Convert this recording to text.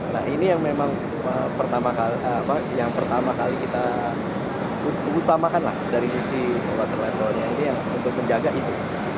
nah ini yang pertama kali kita utamakan dari sisi water levelnya untuk menjaga itu